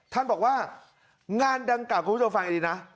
ท่านบอกว่างานดังกล่าวคุณผู้ชมฟังดีนะ